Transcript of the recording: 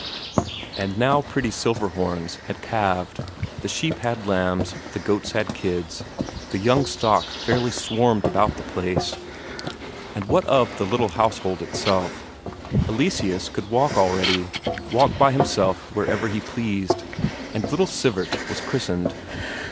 And now pretty Silverhorns had calved, the sheep had lambs, the goats had kids, the young stock fairly swarmed about the place. And what of the little household itself? Eleseus could walk already, walk by himself wherever he pleased, and little Sivert was christened.